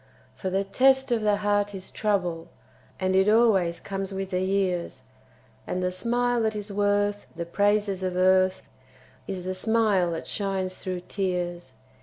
For the test of the heart is trouble, And it always comes with the years, And the smile that is worth the praises of earth Is the smile that shines through tears.